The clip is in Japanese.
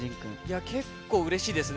結構、うれしいですね。